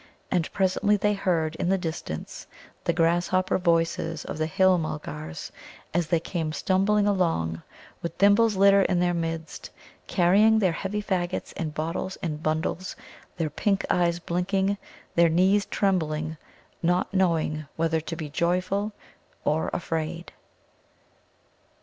And presently they heard in the distance the grasshopper voices of the Hill mulgars, as they came stubbling along with Thimble's litter in their midst, carrying their heavy faggots and bottles and bundles, their pink eyes blinking, their knees trembling, not knowing whether to be joyful or afraid.